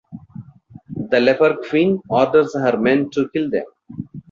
The Leper Queen orders her men to kill them.